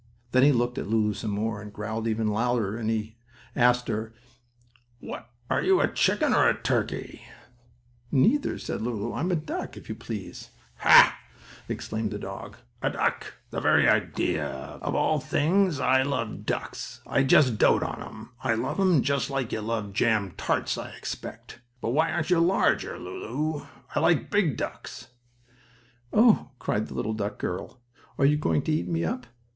Then he looked at Lulu some more, and growled even louder, and he asked her: "What are you, a chicken or a turkey?" "Neither," replied Lulu, "I'm a duck, if you please." "Ha!" exclaimed the bad dog. "A duck! The very idea! Of all things I love ducks! I just dote on 'em! I love 'em just like you love jam tarts, I expect. But why aren't you larger, Lulu? I like big ducks." "Oh!" cried the little duck girl, "are you going to eat me up?"